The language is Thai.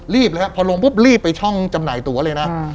เลยครับพอลงปุ๊บรีบไปช่องจำหน่ายตัวเลยนะ